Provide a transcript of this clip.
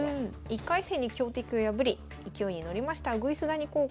１回戦に強敵を破り勢いに乗りました鶯谷高校。